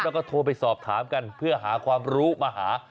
แล้วก็โทรไปสอบถามกันเพื่อหาความรู้มาหา